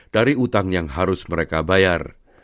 dari utang yang harus mereka bayar